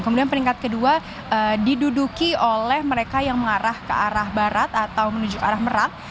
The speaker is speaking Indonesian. kemudian peringkat kedua diduduki oleh mereka yang mengarah ke arah barat atau menuju ke arah merak